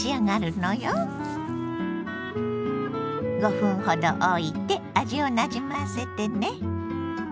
５分ほどおいて味をなじませてね。